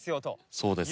そうです。